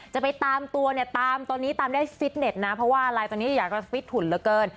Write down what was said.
จะไปตามตัวเนี่ยตามตอนนี้ตามได้ฟิตเน็ตนะเพราะว่าอะไรตอนนี้อยากจะฟิตหุ่นเหลือเกิน